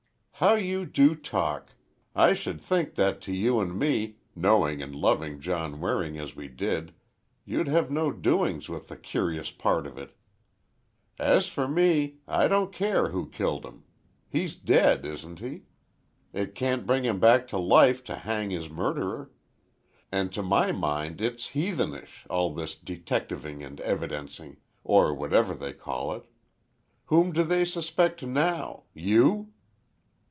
"How you do talk! I should think that to you and me, knowing and loving John Waring as we did, you'd have no doings with the curious part of it! As for me, I don't care who killed him. He's dead, isn't he? It can't bring him back to life to hang his murderer. And to my mind it's heathenish—all this detectiving and evidencing—or whatever they call it. Whom do they suspect now? You?"